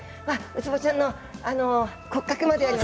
ウツボちゃんの骨格まである。